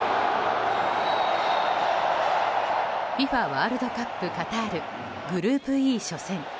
ワールドカップカタールグループＥ初戦。